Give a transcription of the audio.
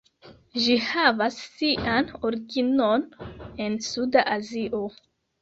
Ĝi havas sian originon en Suda Azio.